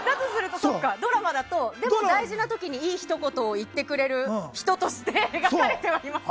ドラマだと大事な時にいいひと言を言ってくれるような人として描かれてはいますね。